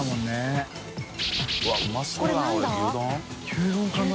牛丼かな？